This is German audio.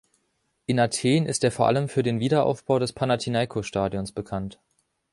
In Athen ist er vor allem für den Wiederaufbau des Panathinaiko-Stadions bekannt.